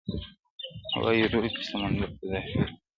وايي رود چي سمندر ته دا خلیږي -